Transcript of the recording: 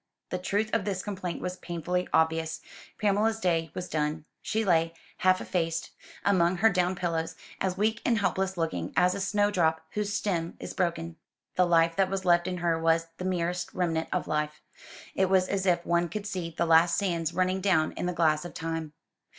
The truth of this complaint was painfully obvious. Pamela's day was done. She lay, half effaced among her down pillows, as weak and helpless looking as a snowdrop whose stem is broken. The life that was left in her was the merest remnant of life. It was as if one could see the last sands running down in the glass of time.